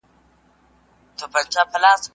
ټولنیز باور د خلکو په ذهنونو کې رېښې لري.